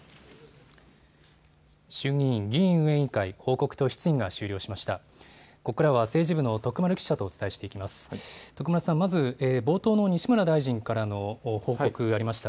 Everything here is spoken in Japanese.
衆議院議院運営委員会、報告と質疑が終了しました。